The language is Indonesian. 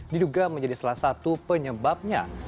diduga menjadi salah satu penyebabnya